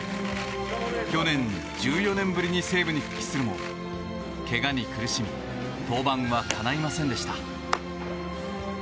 去年、１４年ぶりに西武に復帰するもけがに苦しみ登板はかないませんでした。